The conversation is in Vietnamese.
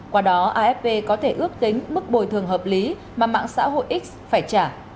qua đó afp có thể ước tính mức bồi thường hợp lý mà mạng xã hội x phải trả